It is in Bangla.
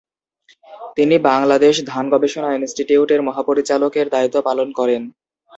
তিনি বাংলাদেশ ধান গবেষণা ইনস্টিটিউট এর মহাপরিচালক এর দায়িত্ব পালন করেন।